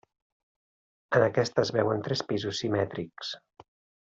En aquesta es veuen tres pisos simètrics.